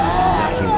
masa itu aku tinggal